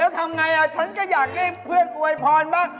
ทำไงฉันก็อยากให้เพื่อนอวยพรบ้าง